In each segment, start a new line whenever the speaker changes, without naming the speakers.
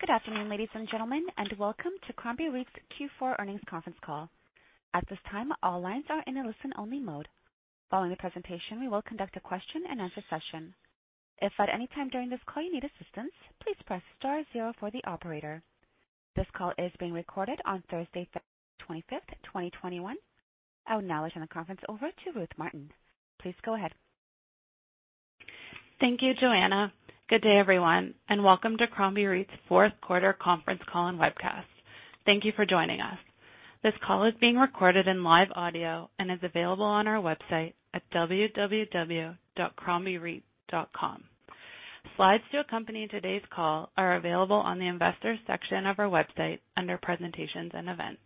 Good afternoon, ladies and gentlemen, and welcome to Crombie REIT's Q4 earnings conference call. At this time, all lines are in a listen-only mode. Following the presentation, we will conduct a question and answer session. If at any time during this call you need assistance, please press star zero for the operator. This call is being recorded on Thursday, February 25th, 2021. I will now turn the conference over to Ruth Martin. Please go ahead.
Thank you, Joanna. Good day, everyone, and welcome to Crombie REIT's fourth quarter conference call and webcast. Thank you for joining us. This call is being recorded in live audio and is available on our website at www.crombiereit.com. Slides to accompany today's call are available on the investors section of our website under presentations and events.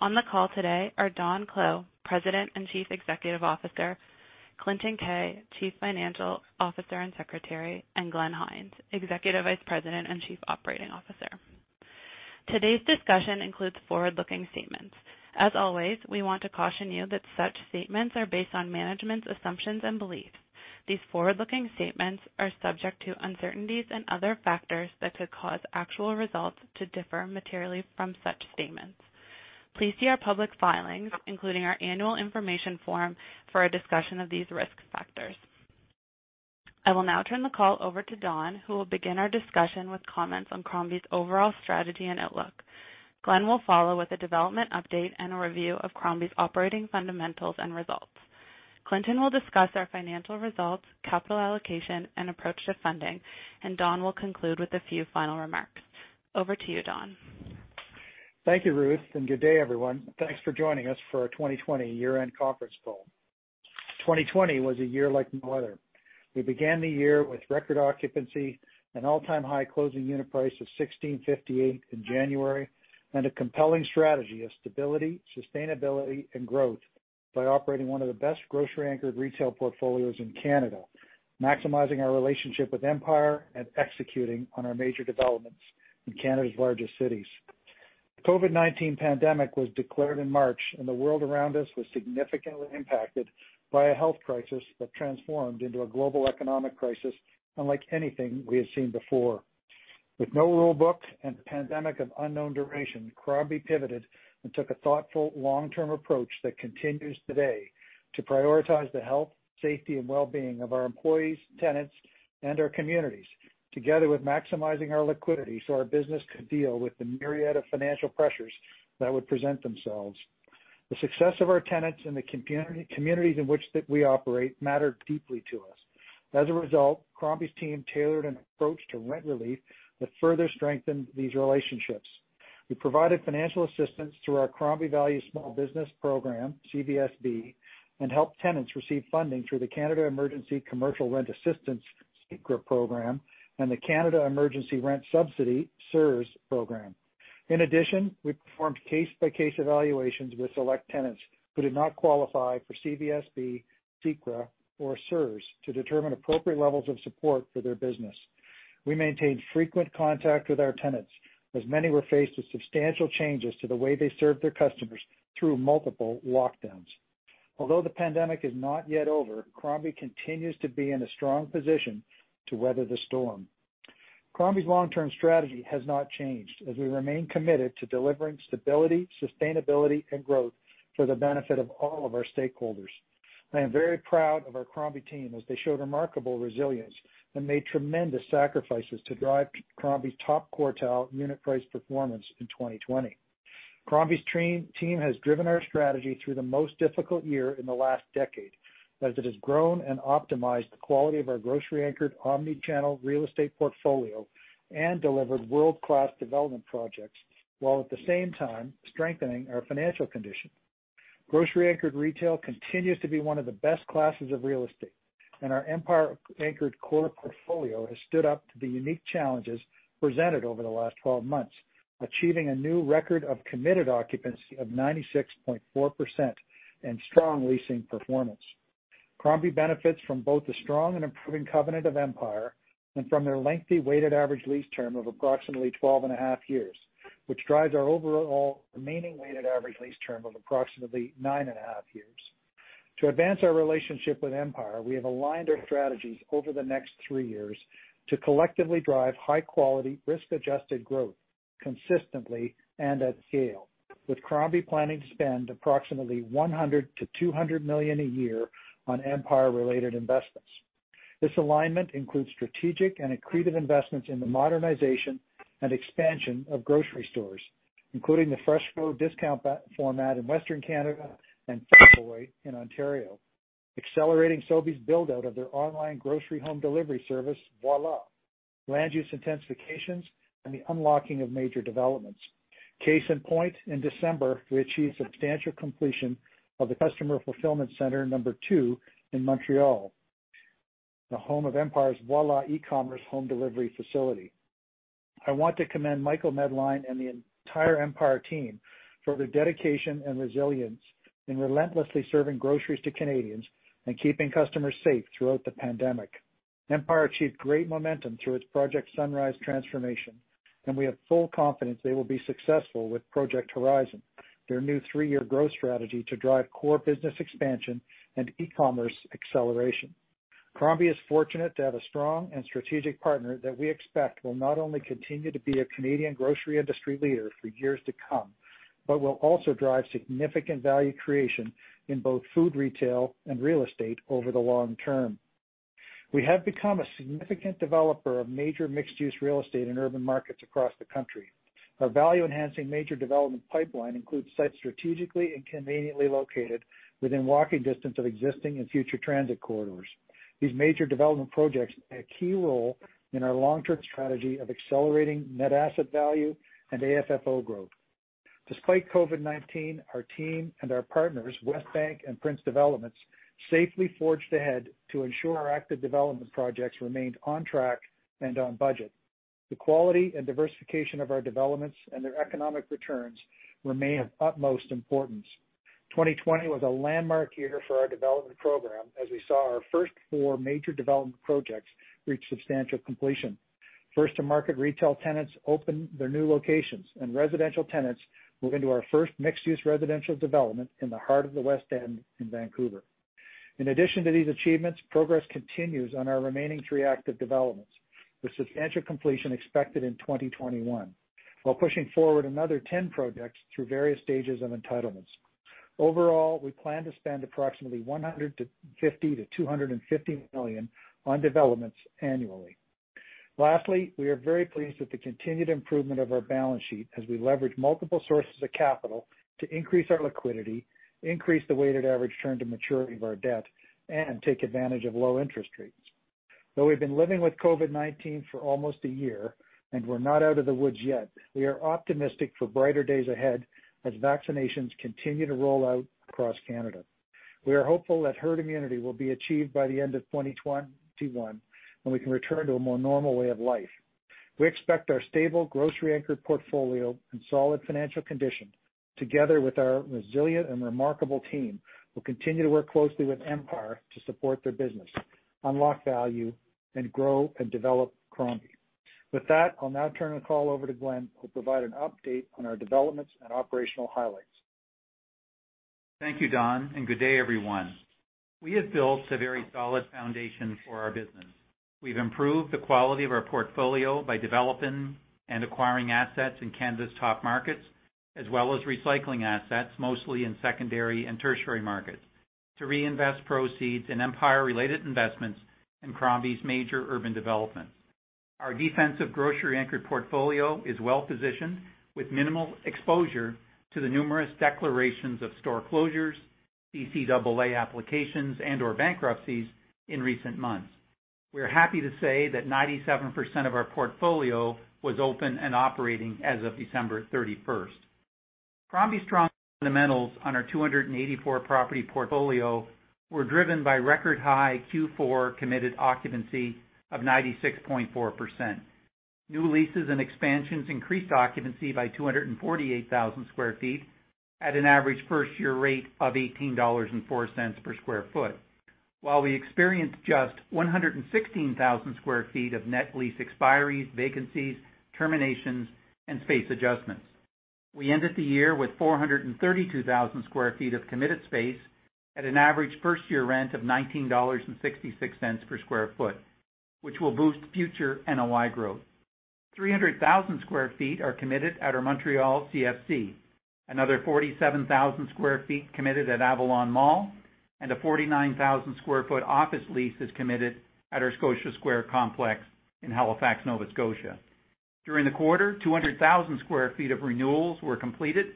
On the call today are Don Clow, President and Chief Executive Officer, Clinton Keay, Chief Financial Officer and Secretary, and Glenn Hynes, Executive Vice President and Chief Operating Officer. Today's discussion includes forward-looking statements. As always, we want to caution you that such statements are based on management's assumptions and beliefs. These forward-looking statements are subject to uncertainties and other factors that could cause actual results to differ materially from such statements. Please see our public filings, including our annual information form, for a discussion of these risk factors. I will now turn the call over to Don, who will begin our discussion with comments on Crombie's overall strategy and outlook. Glenn will follow with a development update and a review of Crombie's operating fundamentals and results. Clinton will discuss our financial results, capital allocation, and approach to funding, and Don will conclude with a few final remarks. Over to you, Don.
Thank you, Ruth, and good day, everyone. Thanks for joining us for our 2020 year-end conference call. 2020 was a year like no other. We began the year with record occupancy, an all-time high closing unit price of 16.58 in January, and a compelling strategy of stability, sustainability, and growth by operating one of the best grocery anchored retail portfolios in Canada, maximizing our relationship with Empire, and executing on our major developments in Canada's largest cities. The COVID-19 pandemic was declared in March, and the world around us was significantly impacted by a health crisis that transformed into a global economic crisis unlike anything we had seen before. With no rulebook and a pandemic of unknown duration, Crombie pivoted and took a thoughtful, long-term approach that continues today to prioritize the health, safety, and well-being of our employees, tenants, and our communities, together with maximizing our liquidity so our business could deal with the myriad of financial pressures that would present themselves. The success of our tenants in the communities in which we operate mattered deeply to us. As a result, Crombie's team tailored an approach to rent relief that further strengthened these relationships. We provided financial assistance through our Crombie Value Small Business Program, CVSB, and helped tenants receive funding through the Canada Emergency Commercial Rent Assistance, CECRA program, and the Canada Emergency Rent Subsidy, CERS program. In addition, we performed case-by-case evaluations with select tenants who did not qualify for CVSB, CECRA, or CERS to determine appropriate levels of support for their business. We maintained frequent contact with our tenants, as many were faced with substantial changes to the way they served their customers through multiple lockdowns. Although the pandemic is not yet over, Crombie continues to be in a strong position to weather the storm. Crombie's long-term strategy has not changed, as we remain committed to delivering stability, sustainability, and growth for the benefit of all of our stakeholders. I am very proud of our Crombie team, as they showed remarkable resilience and made tremendous sacrifices to drive Crombie's top quartile unit price performance in 2020. Crombie's team has driven our strategy through the most difficult year in the last decade, as it has grown and optimized the quality of our grocery anchored omni-channel real estate portfolio and delivered world-class development projects, while at the same time strengthening our financial condition. Grocery anchored retail continues to be one of the best classes of real estate, and our Empire anchored core portfolio has stood up to the unique challenges presented over the last 12 months, achieving a new record of committed occupancy of 96.4% and strong leasing performance. Crombie benefits from both the strong and improving covenant of Empire and from their lengthy weighted average lease term of approximately 12 and a half years, which drives our overall remaining weighted average lease term of approximately nine and a half years. To advance our relationship with Empire, we have aligned our strategies over the next three years to collectively drive high quality, risk-adjusted growth consistently and at scale, with Crombie planning to spend approximately 100 million-200 million a year on Empire-related investments. This alignment includes strategic and accretive investments in the modernization and expansion of grocery stores, including the FreshCo discount format in Western Canada and Farm Boy in Ontario, accelerating Sobeys' build-out of their online grocery home delivery service, Voilà, land use intensifications, and the unlocking of major developments. Case in point, in December, we achieved substantial completion of the customer fulfillment center number 2 in Montreal, the home of Empire's Voilà e-commerce home delivery facility. I want to commend Michael Medline and the entire Empire team for their dedication and resilience in relentlessly serving groceries to Canadians and keeping customers safe throughout the pandemic. Empire achieved great momentum through its Project Sunrise transformation. We have full confidence they will be successful with Project Horizon, their new three-year growth strategy to drive core business expansion and e-commerce acceleration. Crombie is fortunate to have a strong and strategic partner that we expect will not only continue to be a Canadian grocery industry leader for years to come, but will also drive significant value creation in both food, retail, and real estate over the long term. We have become a significant developer of major mixed-use real estate in urban markets across the country. Our value-enhancing major development pipeline includes sites strategically and conveniently located within walking distance of existing and future transit corridors. These major development projects play a key role in our long-term strategy of accelerating net asset value and AFFO growth. Despite COVID-19, our team and our partners, Westbank and Prince Developments, safely forged ahead to ensure our active development projects remained on track and on budget. The quality and diversification of our developments and their economic returns remain of utmost importance. 2020 was a landmark year for our development program as we saw our first four major development projects reach substantial completion. First to market retail tenants opened their new locations, and residential tenants moved into our first mixed-use residential development in the heart of the West End in Vancouver. In addition to these achievements, progress continues on our remaining three active developments, with substantial completion expected in 2021, while pushing forward another 10 projects through various stages of entitlements. Overall, we plan to spend approximately 150 million to 250 million on developments annually. Lastly, we are very pleased with the continued improvement of our balance sheet as we leverage multiple sources of capital to increase our liquidity, increase the weighted average term to maturity of our debt, and take advantage of low interest rates. Though we've been living with COVID-19 for almost a year, we're not out of the woods yet. We are optimistic for brighter days ahead as vaccinations continue to roll out across Canada. We are hopeful that herd immunity will be achieved by the end of 2021, when we can return to a more normal way of life. We expect our stable grocery anchor portfolio and solid financial condition, together with our resilient and remarkable team, will continue to work closely with Empire to support their business, unlock value, and grow and develop Crombie. With that, I'll now turn the call over to Glenn, who'll provide an update on our developments and operational highlights.
Thank you, Don. Good day everyone. We have built a very solid foundation for our business. We've improved the quality of our portfolio by developing and acquiring assets in Canada's top markets, as well as recycling assets, mostly in secondary and tertiary markets, to reinvest proceeds in Empire related investments in Crombie's major urban developments. Our defensive grocery anchored portfolio is well-positioned with minimal exposure to the numerous declarations of store closures, CCAA applications, and/or bankruptcies in recent months. We are happy to say that 97% of our portfolio was open and operating as of December 31st. Crombie's strong fundamentals on our 284 property portfolio were driven by record high Q4 committed occupancy of 96.4%. New leases and expansions increased occupancy by 248,000 sq ft at an average first year rate of 18.04 dollars per sq ft. While we experienced just 116,000 sq ft of net lease expiries, vacancies, terminations, and space adjustments. We ended the year with 432,000 sq ft of committed space at an average first year rent of 19.66 dollars per sq ft, which will boost future NOI growth. 300,000 sq ft are committed at our Montreal CFC. Another 47,000 sq ft committed at Avalon Mall, and a 49,000 sq ft office lease is committed at our Scotia Square complex in Halifax, Nova Scotia. During the quarter, 200,000 sq ft of renewals were completed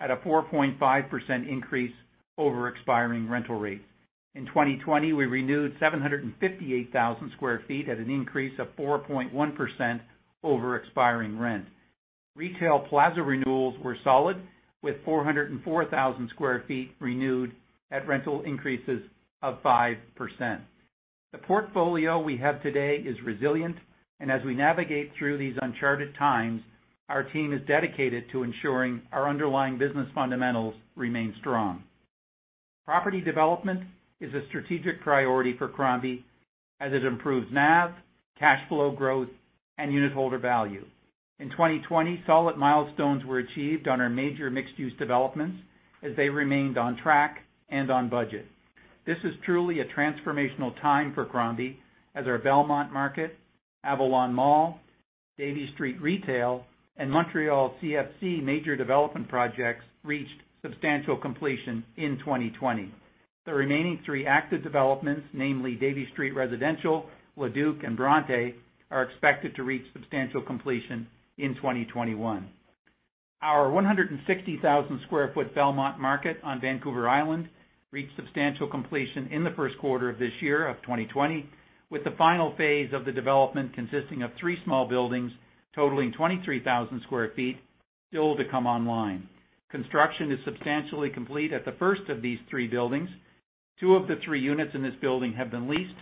at a 4.5% increase over expiring rental rates. In 2020, we renewed 758,000 sq ft at an increase of 4.1% over expiring rent. Retail plaza renewals were solid with 404,000 sq ft renewed at rental increases of 5%. The portfolio we have today is resilient, and as we navigate through these uncharted times, our team is dedicated to ensuring our underlying business fundamentals remain strong. Property development is a strategic priority for Crombie as it improves NAV, cash flow growth, and unit holder value. In 2020, solid milestones were achieved on our major mixed-use developments as they remained on track and on budget. This is truly a transformational time for Crombie as our Belmont Market, Avalon Mall, Davie Street Retail, and Montreal CFC major development projects reached substantial completion in 2020. The remaining three active developments, namely Davie Street Residential, Le Duke, and Bronte, are expected to reach substantial completion in 2021. Our 160,000 sq ft Belmont Market on Vancouver Island reached substantial completion in the first quarter of this year of 2020, with the final phase of the development consisting of three small buildings totaling 23,000 sq ft, still to come online. Construction is substantially complete at the first of these three buildings. Two of the three units in this building have been leased,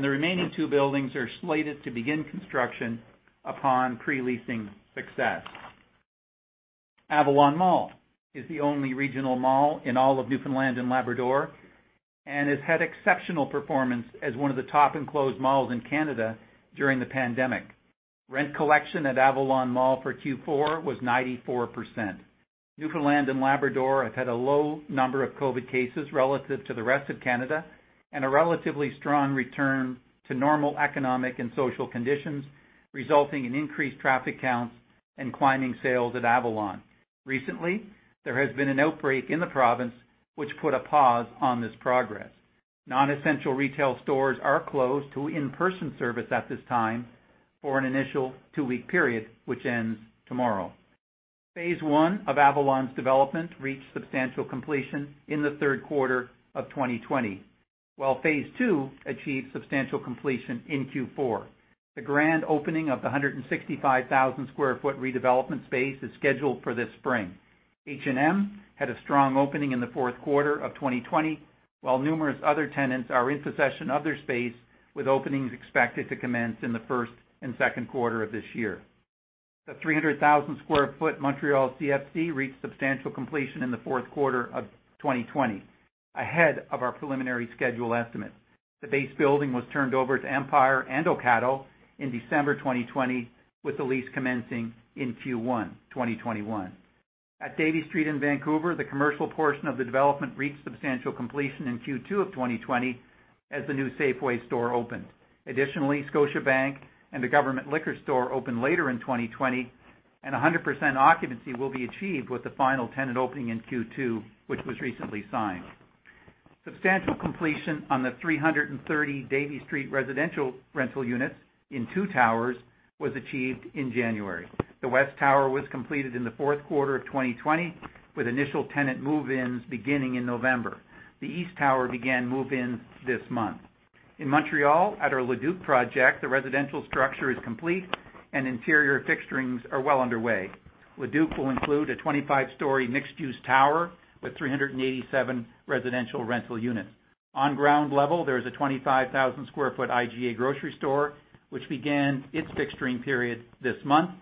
the remaining two buildings are slated to begin construction upon pre-leasing success. Avalon Mall is the only regional mall in all of Newfoundland and Labrador and has had exceptional performance as one of the top enclosed malls in Canada during the pandemic. Rent collection at Avalon Mall for Q4 was 94%. Newfoundland and Labrador have had a low number of COVID cases relative to the rest of Canada, and a relatively strong return to normal economic and social conditions, resulting in increased traffic counts and climbing sales at Avalon. Recently, there has been an outbreak in the province, which put a pause on this progress. Non-essential retail stores are closed to in-person service at this time for an initial two-week period, which ends tomorrow. Phase 1 of Avalon's development reached substantial completion in the third quarter of 2020, while phase II achieved substantial completion in Q4. The grand opening of the 165,000 sq ft redevelopment space is scheduled for this spring. H&M had a strong opening in the fourth quarter of 2020, while numerous other tenants are in possession of their space, with openings expected to commence in the first and second quarter of this year. The 300,000 sq ft Montreal CFC reached substantial completion in the fourth quarter of 2020, ahead of our preliminary schedule estimate. The base building was turned over to Empire and Ocado in December 2020, with the lease commencing in Q1 2021. At Davie Street in Vancouver, the commercial portion of the development reached substantial completion in Q2 of 2020 as the new Safeway store opened. Scotiabank and the government liquor store opened later in 2020, and 100% occupancy will be achieved with the final tenant opening in Q2, which was recently signed. Substantial completion on the 330 Davie Street residential rental units in two towers was achieved in January. The west tower was completed in the fourth quarter of 2020, with initial tenant move-ins beginning in November. The east tower began move-ins this month. In Montreal, at our Le Duke project, the residential structure is complete and interior fixturing are well underway. Le Duke will include a 25-story mixed-use tower with 387 residential rental units. On ground level, there is a 25,000 sq ft IGA grocery store, which began its fixturing period this month,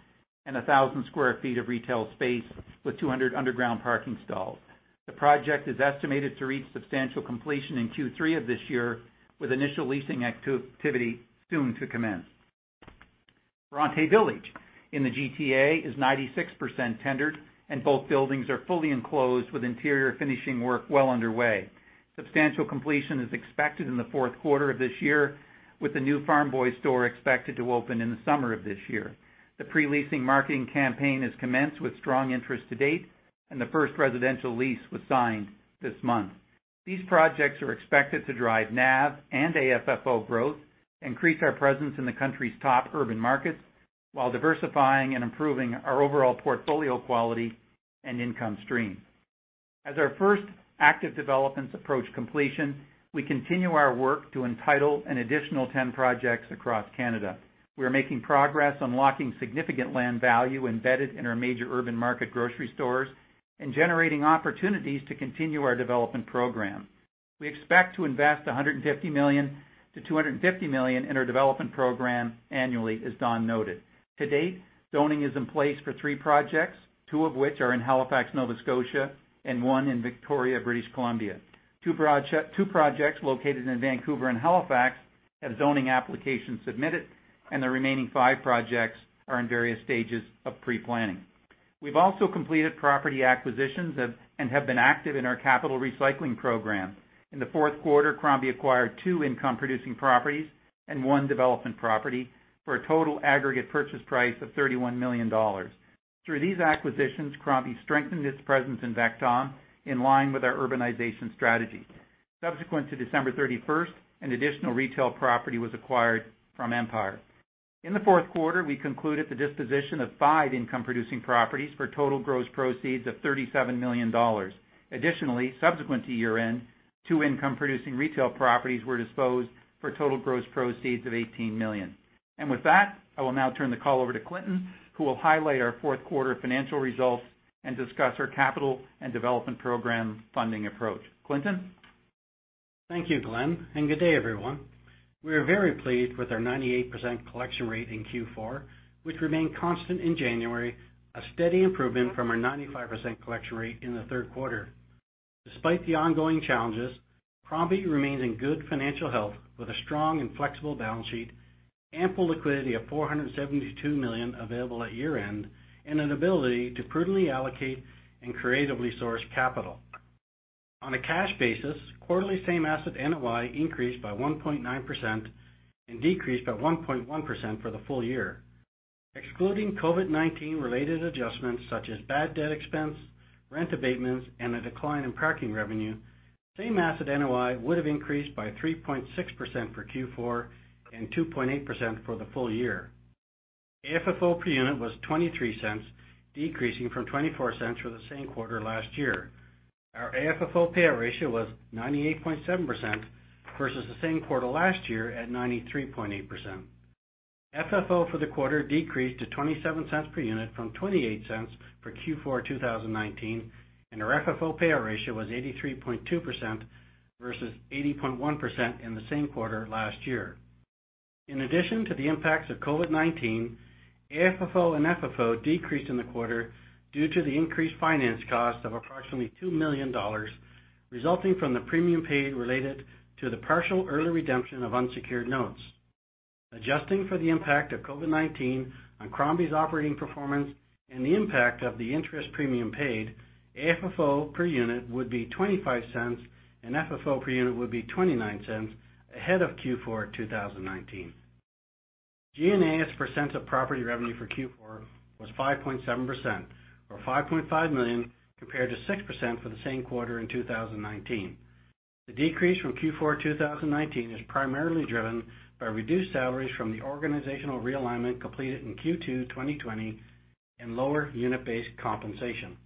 and 1,000 sq ft of retail space with 200 underground parking stalls. The project is estimated to reach substantial completion in Q3 of this year, with initial leasing activity soon to commence. Bronte Village in the GTA is 96% tendered, and both buildings are fully enclosed with interior finishing work well underway. Substantial completion is expected in the fourth quarter of this year, with the new Farm Boy store expected to open in the summer of this year. The pre-leasing marketing campaign has commenced with strong interest to date, and the first residential lease was signed this month. These projects are expected to drive NAV and AFFO growth, increase our presence in the country's top urban markets, while diversifying and improving our overall portfolio quality and income stream. As our first active developments approach completion, we continue our work to entitle an additional 10 projects across Canada. We are making progress unlocking significant land value embedded in our major urban market grocery stores and generating opportunities to continue our development program. We expect to invest 150 million-250 million in our development program annually, as Don noted. To date, zoning is in place for three projects, two of which are in Halifax, Nova Scotia, and one in Victoria, British Columbia. Two projects located in Vancouver and Halifax have zoning applications submitted, and the remaining five projects are in various stages of pre-planning. We've also completed property acquisitions and have been active in our capital recycling program. In the fourth quarter, Crombie acquired two income-producing properties and one development property for a total aggregate purchase price of 31 million dollars. Through these acquisitions, Crombie strengthened its presence in Moncton, in line with our urbanization strategy. Subsequent to December 31st, an additional retail property was acquired from Empire. In the fourth quarter, we concluded the disposition of five income-producing properties for total gross proceeds of 37 million dollars. Additionally, subsequent to year-end, two income-producing retail properties were disposed for total gross proceeds of 18 million. With that, I will now turn the call over to Clinton, who will highlight our fourth quarter financial results and discuss our capital and development program funding approach. Clinton?
Thank you, Glenn. Good day, everyone. We are very pleased with our 98% collection rate in Q4, which remained constant in January, a steady improvement from our 95% collection rate in the third quarter. Despite the ongoing challenges, Crombie remains in good financial health with a strong and flexible balance sheet, ample liquidity of 472 million available at year-end, and an ability to prudently allocate and creatively source capital. On a cash basis, quarterly same asset NOI increased by 1.9% and decreased by 1.1% for the full year. Excluding COVID-19 related adjustments such as bad debt expense, rent abatements, and a decline in parking revenue, same asset NOI would have increased by 3.6% for Q4 and 2.8% for the full year. AFFO per unit was 0.23, decreasing from 0.24 for the same quarter last year. Our AFFO payout ratio was 98.7% versus the same quarter last year at 93.8%. FFO for the quarter decreased to 0.27 per unit from 0.28 for Q4 2019, and our FFO payout ratio was 83.2% versus 80.1% in the same quarter last year. In addition to the impacts of COVID-19, AFFO and FFO decreased in the quarter due to the increased finance cost of approximately 2 million dollars, resulting from the premium paid related to the partial early redemption of unsecured notes. Adjusting for the impact of COVID-19 on Crombie's operating performance and the impact of the interest premium paid, AFFO per unit would be 0.25 and FFO per unit would be 0.29 ahead of Q4 2019. G&A as a percent of property revenue for Q4 was 5.7%, or 5.5 million, compared to 6% for the same quarter in 2019. The decrease from Q4 2019 is primarily driven by reduced salaries from the organizational realignment completed in Q2 2020 and lower unit-based compensation.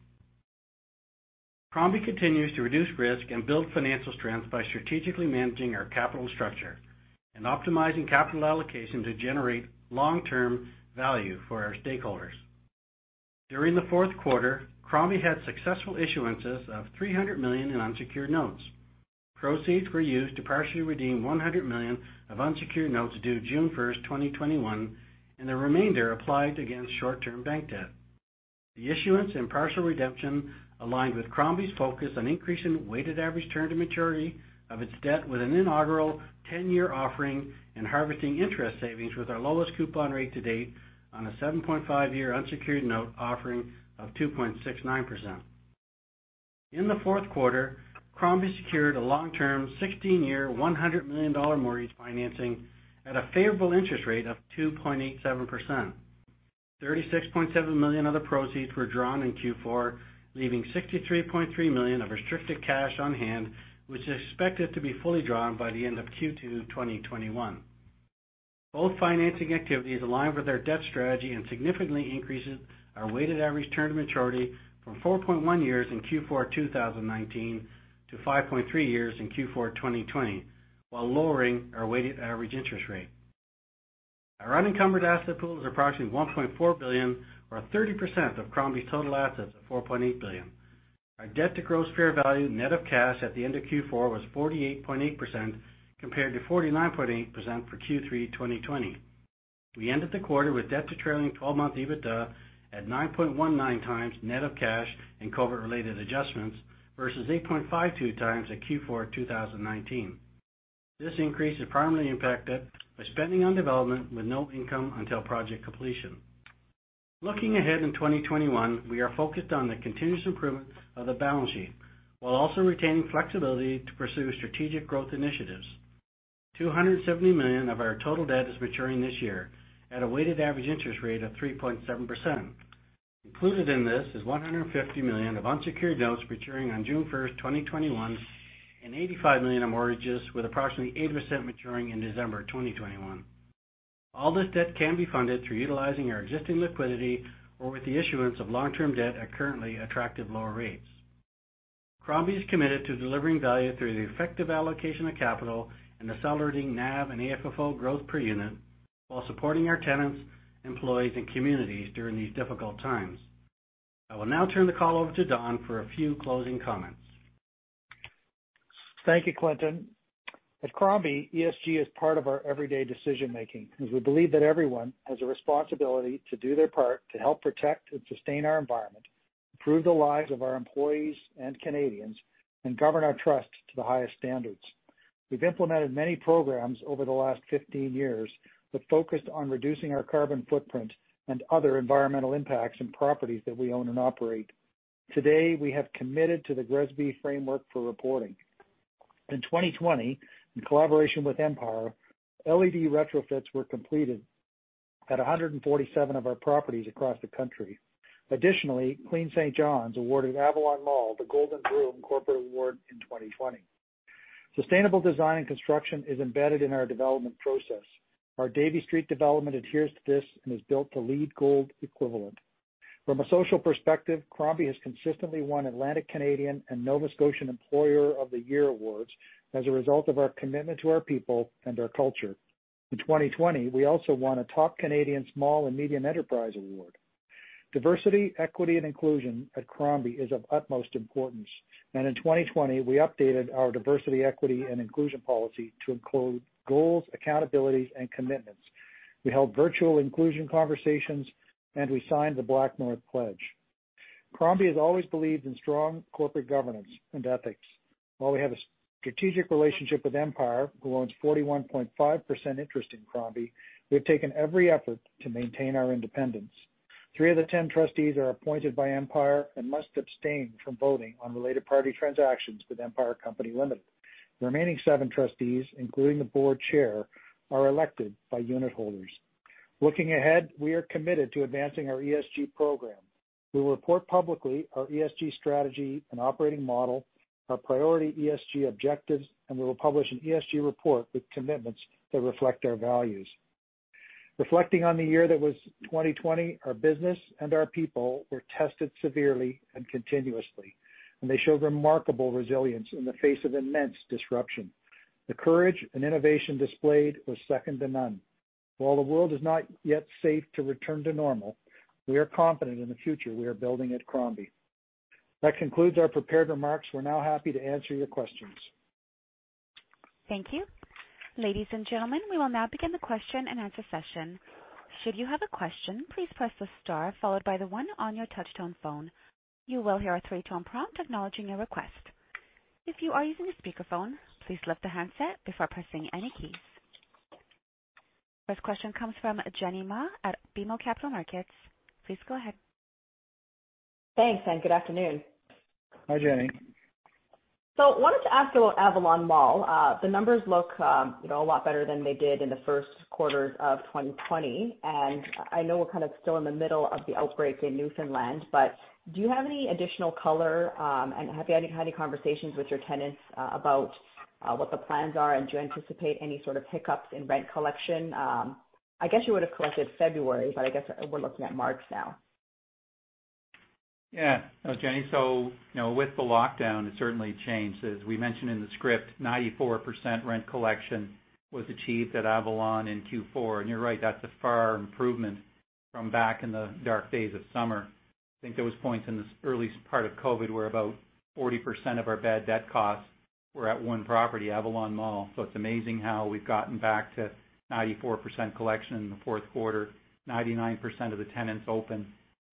Crombie continues to reduce risk and build financial strength by strategically managing our capital structure and optimizing capital allocation to generate long-term value for our stakeholders. During the fourth quarter, Crombie had successful issuances of 300 million in unsecured notes. Proceeds were used to partially redeem 100 million of unsecured notes due June 1st, 2021, and the remainder applied against short-term bank debt. The issuance and partial redemption aligned with Crombie's focus on increasing weighted average term to maturity of its debt with an inaugural 10-year offering in harvesting interest savings with our lowest coupon rate to date on a 7.5-year unsecured note offering of 2.69%. In the fourth quarter, Crombie secured a long-term 16-year, 100 million dollar mortgage financing at a favorable interest rate of 2.87%. 36.7 million of the proceeds were drawn in Q4, leaving 63.3 million of restricted cash on hand, which is expected to be fully drawn by the end of Q2 2021. Both financing activities align with our debt strategy and significantly increases our weighted average term to maturity from 4.1 years in Q4 2019 to 5.3 years in Q4 2020, while lowering our weighted average interest rate. Our unencumbered asset pool is approximately 1.4 billion or 30% of Crombie's total assets of 4.8 billion. Our debt to gross fair value net of cash at the end of Q4 was 48.8% compared to 49.8% for Q3 2020. We ended the quarter with debt to trailing 12-month EBITDA at 9.19x net of cash and COVID-related adjustments versus 8.52x at Q4 2019. This increase is primarily impacted by spending on development with no income until project completion. Looking ahead in 2021, we are focused on the continuous improvement of the balance sheet, while also retaining flexibility to pursue strategic growth initiatives. 270 million of our total debt is maturing this year at a weighted average interest rate of 3.7%. Included in this is 150 million of unsecured notes maturing on June 1st, 2021, and 85 million of mortgages with approximately 80% maturing in December 2021. All this debt can be funded through utilizing our existing liquidity or with the issuance of long-term debt at currently attractive lower rates. Crombie is committed to delivering value through the effective allocation of capital and accelerating NAV and AFFO growth per unit while supporting our tenants, employees, and communities during these difficult times. I will now turn the call over to Don for a few closing comments.
Thank you, Clinton. At Crombie, ESG is part of our everyday decision-making because we believe that everyone has a responsibility to do their part to help protect and sustain our environment, improve the lives of our employees and Canadians, and govern our trust to the highest standards. We've implemented many programs over the last 15 years that focused on reducing our carbon footprint and other environmental impacts in properties that we own and operate. Today, we have committed to the GRESB Framework for reporting. In 2020, in collaboration with Empire, LED retrofits were completed at 147 of our properties across the country. Additionally, Clean St. John's awarded Avalon Mall the Golden Broom Corporate Award in 2020. Sustainable design and construction is embedded in our development process. Our Davie Street development adheres to this and is built to LEED Gold equivalent. From a social perspective, Crombie has consistently won Atlantic Canadian and Nova Scotian Employer of the Year awards as a result of our commitment to our people and our culture. In 2020, we also won a top Canadian Small and Medium Enterprise award. Diversity, equity, and inclusion at Crombie is of utmost importance, and in 2020, we updated our diversity, equity, and inclusion policy to include goals, accountabilities, and commitments. We held virtual inclusion conversations, and we signed the BlackNorth Pledge. Crombie has always believed in strong corporate governance and ethics. While we have a strategic relationship with Empire, who owns 41.5% interest in Crombie, we've taken every effort to maintain our independence. Three of the ten trustees are appointed by Empire and must abstain from voting on related party transactions with Empire Company Limited. The remaining seven trustees, including the board chair, are elected by unit holders. Looking ahead, we are committed to advancing our ESG program. We will report publicly our ESG strategy and operating model, our priority ESG objectives, and we will publish an ESG report with commitments that reflect our values. Reflecting on the year that was 2020, our business and our people were tested severely and continuously, and they showed remarkable resilience in the face of immense disruption. The courage and innovation displayed was second to none. While the world is not yet safe to return to normal, we are confident in the future we are building at Crombie. That concludes our prepared remarks. We are now happy to answer your questions.
Thank you. Ladies and gentlemen, we will now begin the question and answer session. First question comes from Jenny Ma at BMO Capital Markets. Please go ahead.
Thanks, and good afternoon.
Hi, Jenny.
Wanted to ask about Avalon Mall. The numbers look a lot better than they did in the first quarter of 2020, and I know we're kind of still in the middle of the outbreak in Newfoundland, but do you have any additional color, and have you had any conversations with your tenants about what the plans are and do you anticipate any sort of hiccups in rent collection? I guess you would've collected February, but I guess we're looking at March now.
Yeah. No, Jenny. With the lockdown, it certainly changed. As we mentioned in the script, 94% rent collection was achieved at Avalon Mall in Q4. You're right, that's a far improvement from back in the dark days of summer. I think there was points in the earliest part of COVID-19 where about 40% of our bad debt costs were at one property, Avalon Mall. It's amazing how we've gotten back to 94% collection in the fourth quarter, 99% of the tenants open,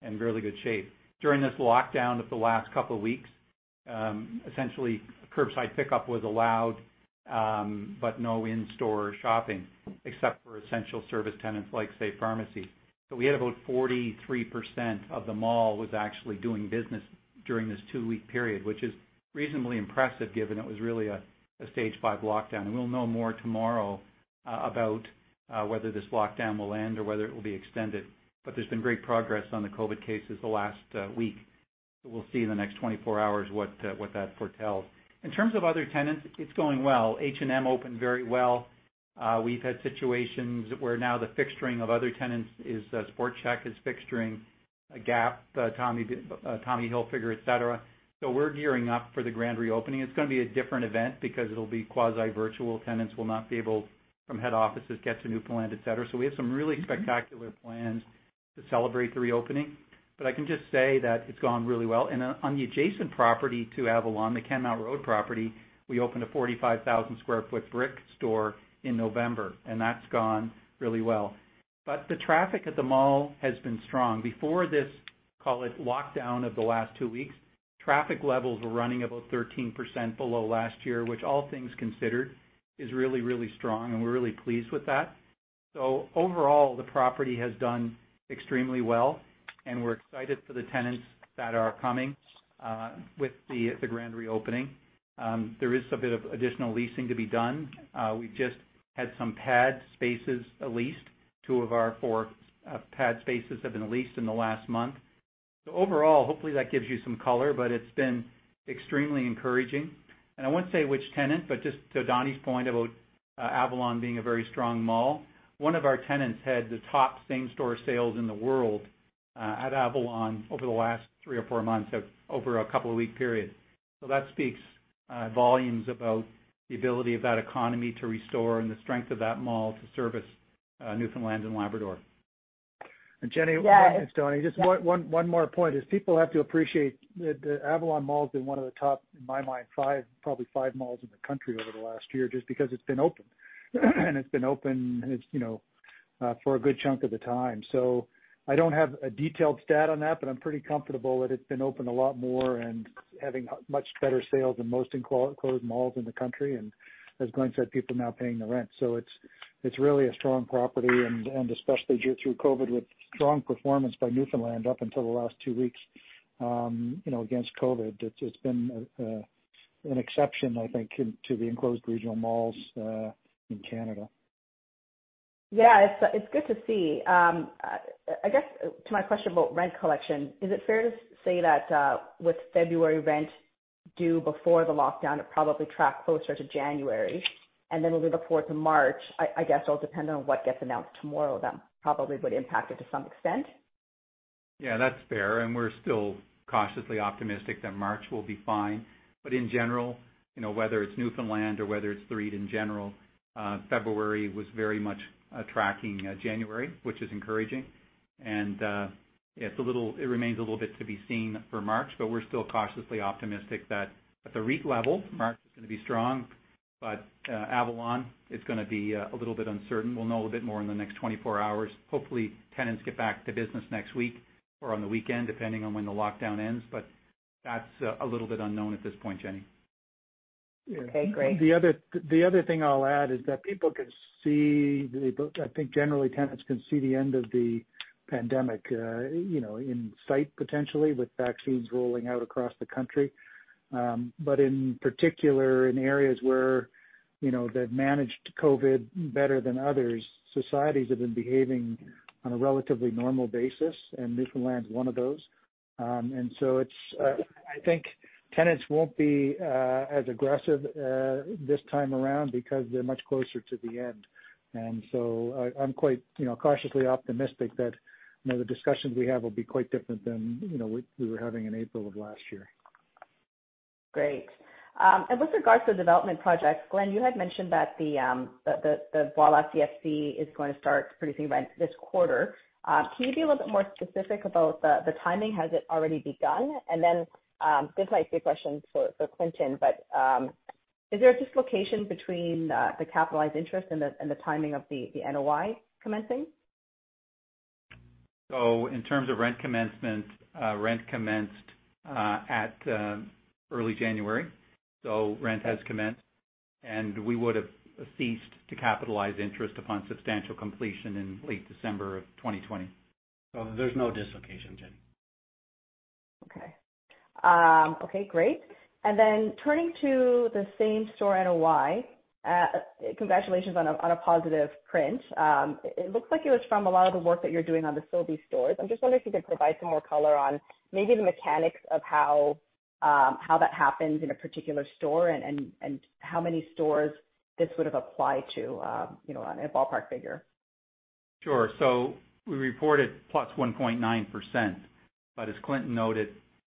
in really good shape. During this lockdown of the last couple of weeks, essentially curbside pickup was allowed, but no in-store shopping except for essential service tenants like, say, pharmacy. We had about 43% of the mall was actually doing business during this two-week period, which is reasonably impressive given it was really a stage five lockdown. We'll know more tomorrow about whether this lockdown will end or whether it will be extended. There's been great progress on the COVID cases the last week. We'll see in the next 24 hours what that foretells. In terms of other tenants, it's going well. H&M opened very well. We've had situations where now the fixturing of other tenants is, Sport Chek is fixturing, Gap, Tommy Hilfiger, et cetera. We're gearing up for the grand reopening. It's going to be a different event because it'll be quasi virtual. Tenants will not be able, from head offices, get to Newfoundland, et cetera. We have some really spectacular plans to celebrate the reopening, but I can just say that it's gone really well. On the adjacent property to Avalon Mall, the Kenmount Road property, we opened a 45,000 sq ft Brick store in November, and that's gone really well. The traffic at the mall has been strong. Before this, call it lockdown of the last two weeks, traffic levels were running about 13% below last year, which all things considered, is really, really strong and we're really pleased with that. Overall, the property has done extremely well, and we're excited for the tenants that are coming with the grand reopening. There is a bit of additional leasing to be done. We've just had some pad spaces leased. Two of our four pad spaces have been leased in the last month. Overall, hopefully that gives you some color, but it's been extremely encouraging. I won't say which tenant, but just to Donnie's point about Avalon being a very strong mall, one of our tenants had the top same store sales in the world at Avalon over the last three or four months, over a couple of week periods. That speaks volumes about the ability of that economy to restore and the strength of that mall to service Newfoundland and Labrador.
Jenny,
Yeah.
One minute, Donnie. Just one more point is people have to appreciate that Avalon Mall's been one of the top, in my mind, probably five malls in the country over the last year just because it's been open. It's been open for a good chunk of the time. I don't have a detailed stat on that, but I'm pretty comfortable that it's been open a lot more and having much better sales than most enclosed malls in the country. As Glenn said, people are now paying the rent. It's really a strong property and especially through COVID with strong performance by Newfoundland up until the last two weeks against COVID. It's been an exception, I think, to the enclosed regional malls in Canada.
Yeah. It's good to see. I guess to my question about rent collection, is it fair to say that with February rent due before the lockdown, it probably tracked closer to January, and then we'll do the fourth of March, I guess it'll depend on what gets announced tomorrow that probably would impact it to some extent?
Yeah, that's fair. We're still cautiously optimistic that March will be fine. In general, whether it's Newfoundland or whether it's the REIT in general, February was very much tracking January, which is encouraging. It remains a little bit to be seen for March, but we're still cautiously optimistic that at the REIT level, March is going to be strong. Avalon is going to be a little bit uncertain. We'll know a bit more in the next 24 hours. Hopefully tenants get back to business next week or on the weekend, depending on when the lockdown ends. That's a little bit unknown at this point, Jenny.
Okay, great.
The other thing I'll add is that I think generally tenants can see the end of the pandemic in sight potentially with vaccines rolling out across the country. In particular in areas where they've managed COVID better than others, societies have been behaving on a relatively normal basis, and Newfoundland's one of those. I think tenants won't be as aggressive this time around because they're much closer to the end. I'm quite cautiously optimistic that the discussions we have will be quite different than we were having in April of last year.
Great. With regards to development projects, Glenn, you had mentioned that the Voilà CFC is going to start producing rent this quarter. Can you be a little bit more specific about the timing? Has it already begun? This might be a question for Clinton, but is there a dislocation between the capitalized interest and the timing of the NOI commencing?
In terms of rent commencement, rent commenced at early January. Rent has commenced, and we would've ceased to capitalize interest upon substantial completion in late December of 2020. There's no dislocation, Jenny.
Okay. Great. Turning to the same-store NOI. Congratulations on a positive print. It looks like it was from a lot of the work that you're doing on the Sobeys stores. I'm just wondering if you could provide some more color on maybe the mechanics of how that happens in a particular store and how many stores this would've applied to, on a ballpark figure.
Sure. We reported plus 1.9%, but as Clinton noted,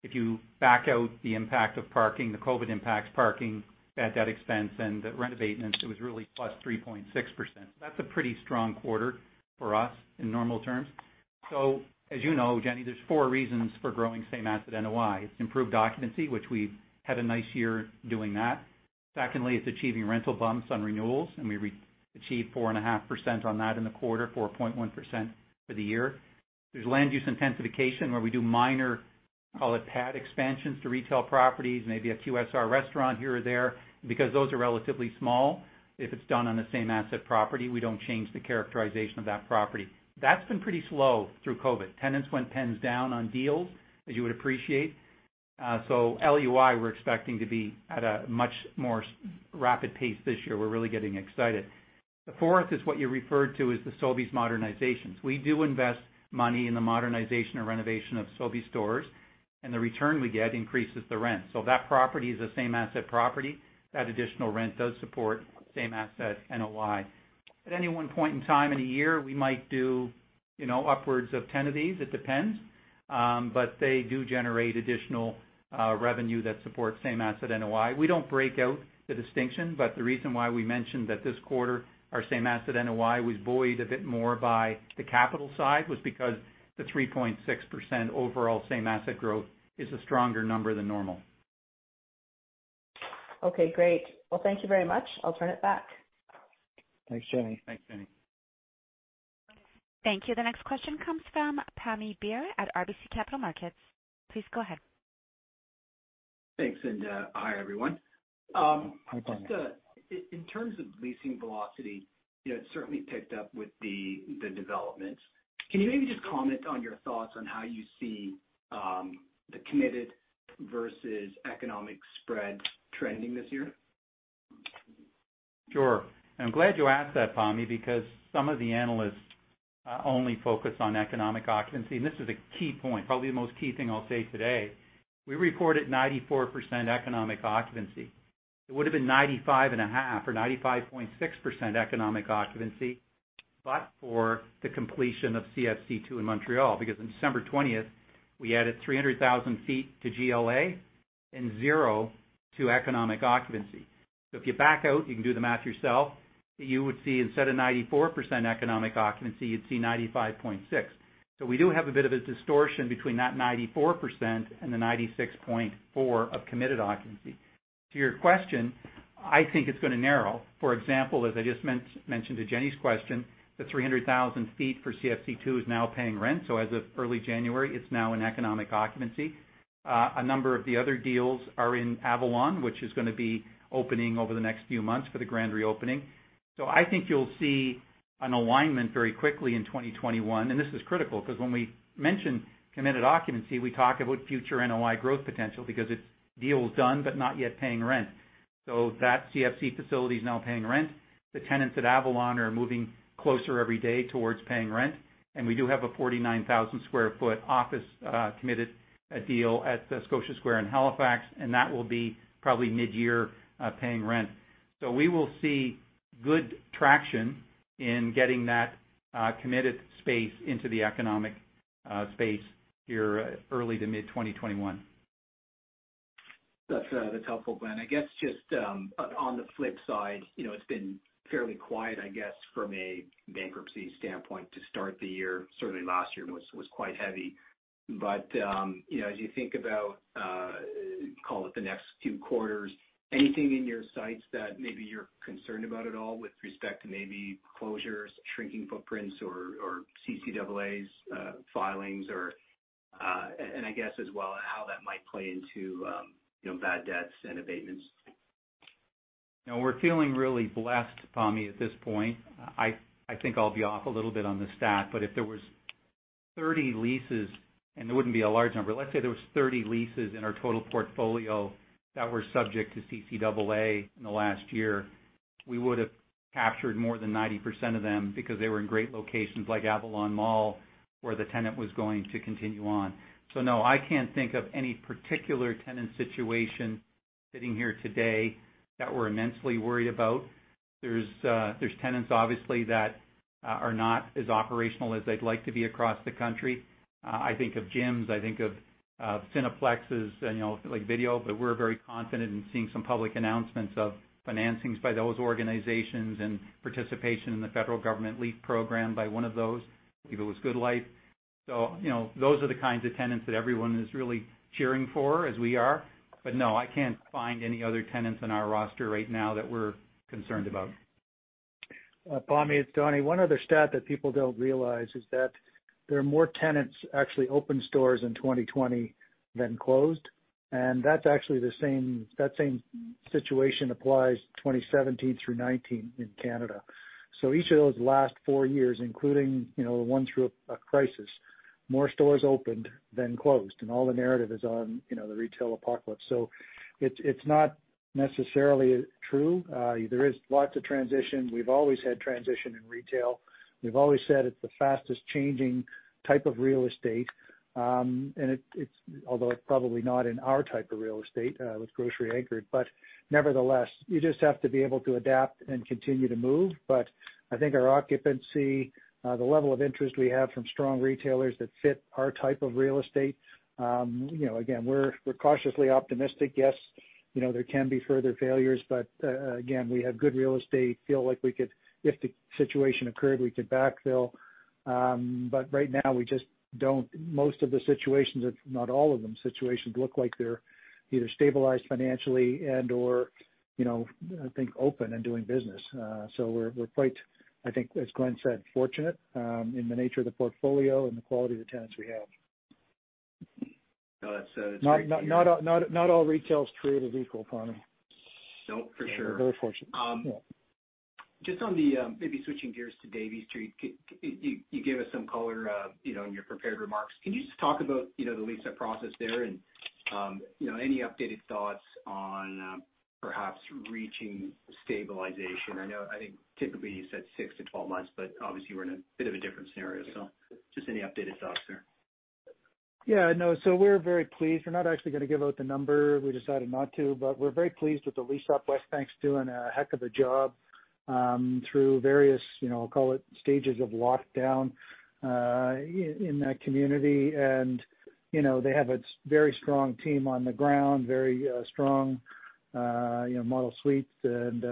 if you back out the impact of parking, the COVID impacts parking, bad debt expense, and the rent abatements, it was really plus 3.6%. That's a pretty strong quarter for us in normal terms. As you know, Jenny, there's four reasons for growing same asset NOI. It's improved occupancy, which we've had a nice year doing that. Secondly, it's achieving rental bumps on renewals, and we achieved 4.5% on that in the quarter, 4.1% for the year. There's land use intensification where we do minor, call it pad expansions to retail properties, maybe a QSR restaurant here or there, because those are relatively small. If it's done on the same asset property, we don't change the characterization of that property. That's been pretty slow through COVID. Tenants went pens down on deals, as you would appreciate. LUI, we're expecting to be at a much more rapid pace this year. We're really getting excited. The fourth is what you referred to as the Sobeys modernizations. We do invest money in the modernization or renovation of Sobeys stores, and the return we get increases the rent. That property is a same asset property. That additional rent does support same asset NOI. At any one point in time in a year, we might do upwards of 10 of these. It depends. They do generate additional revenue that supports same asset NOI. We don't break out the distinction, but the reason why we mentioned that this quarter, our same asset NOI was buoyed a bit more by the capital side was because the 3.6% overall same asset growth is a stronger number than normal.
Okay, great. Well, thank you very much. I'll turn it back.
Thanks, Jenny.
Thanks, Jenny.
Thank you. The next question comes from Pammi Bir at RBC Capital Markets. Please go ahead.
Thanks, hi, everyone.
Hi, Pammi.
Just in terms of leasing velocity, it certainly picked up with the developments. Can you maybe just comment on your thoughts on how you see the committed versus economic spread trending this year?
Sure. I'm glad you asked that, Pammi, because some of the analysts only focus on economic occupancy, and this is a key point, probably the most key thing I'll say today. We reported 94% economic occupancy. It would've been 95.5% or 95.6% economic occupancy but for the completion of CFC2 in Montreal, because on December 20th, we added 300,000 ft to GLA and zero to economic occupancy. If you back out, you can do the math yourself. You would see instead of 94% economic occupancy, you'd see 95.6%. To your question, I think it's going to narrow. For example, as I just mentioned to Jenny's question, the 300,000 ft for CFC2 is now paying rent. As of early January, it's now in economic occupancy. A number of the other deals are in Avalon, which is going to be opening over the next few months for the grand reopening. I think you'll see an alignment very quickly in 2021. This is critical because when we mention committed occupancy, we talk about future NOI growth potential because it's deals done but not yet paying rent. That CFC facility is now paying rent. The tenants at Avalon are moving closer every day towards paying rent. We do have a 49,000 sq ft office committed deal at Scotia Square in Halifax, and that will be probably mid-year paying rent. We will see good traction in getting that committed space into the economic space here early to mid-2021.
That's helpful, Glenn. I guess just on the flip side, it's been fairly quiet, I guess, from a bankruptcy standpoint to start the year. Certainly last year was quite heavy. As you think about call it the next two quarters, anything in your sights that maybe you're concerned about at all with respect to maybe closures, shrinking footprints, or CCAA filings. I guess as well, how that might play into bad debts and abatements.
No, we're feeling really blessed, Pammi, at this point. I think I'll be off a little bit on the stat, but if there was 30 leases, and it wouldn't be a large number. Let's say there was 30 leases in our total portfolio that were subject to CCAA in the last year, we would've captured more than 90% of them because they were in great locations like Avalon Mall, where the tenant was going to continue on. No, I can't think of any particular tenant situation sitting here today that we're immensely worried about.
There's tenants, obviously, that are not as operational as they'd like to be across the country. I think of gyms, I think of Cineplex, like video. We're very confident in seeing some public announcements of financings by those organizations and participation in the federal government lease program by one of those, I believe it was GoodLife. Those are the kinds of tenants that everyone is really cheering for as we are. No, I can't find any other tenants in our roster right now that we're concerned about.
Pammi, it's Don. One other stat that people don't realize is that there are more tenants actually opened stores in 2020 than closed, and that same situation applies 2017 through 2019 in Canada. Each of those last four years, including the one through a crisis, more stores opened than closed, and all the narrative is on the retail apocalypse. It's not necessarily true. There is lots of transition. We've always had transition in retail. We've always said it's the fastest changing type of real estate. Although it's probably not in our type of real estate with grocery anchored, but nevertheless, you just have to be able to adapt and continue to move. I think our occupancy, the level of interest we have from strong retailers that fit our type of real estate, again, we're cautiously optimistic. There can be further failures, again, we have good real estate, feel like if the situation occurred, we could backfill. Right now we just don't. Most of the situations, if not all of them, look like they're either stabilized financially and/or I think open and doing business. We're quite, I think, as Glenn said, fortunate in the nature of the portfolio and the quality of the tenants we have.
No, that's great to hear.
Not all retail's created equal, Pammi.
No, for sure.
We're very fortunate. Yeah.
Just on, maybe switching gears to Davie Street. You gave us some color in your prepared remarks. Can you just talk about the lease-up process there and any updated thoughts on perhaps reaching stabilization? I think typically you said six to 12 months, but obviously we're in a bit of a different scenario, so just any updated thoughts there.
No. We're very pleased. We're not actually going to give out the number. We decided not to, but we're very pleased with the lease-up. Westbank's doing a heck of a job through various, call it stages of lockdown in that community. They have a very strong team on the ground, very strong model suites and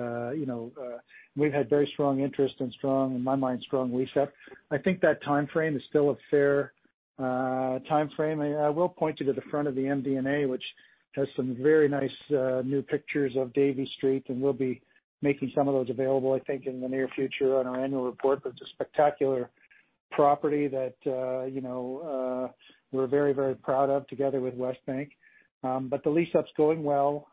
we've had very strong interest and in my mind, strong lease-up. I think that timeframe is still a fair timeframe. I will point you to the front of the MD&A, which has some very nice new pictures of Davie Street, and we'll be making some of those available, I think, in the near future on our annual report. It's a spectacular property that we're very proud of together with Westbank. The lease-up's going well.